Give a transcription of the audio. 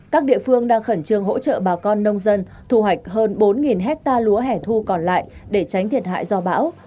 các địa phương đang khẩn trương hỗ trợ bà con nông dân thu hoạch hơn bốn hectare lúa hẻ thu còn lại để tránh thiệt hại do bão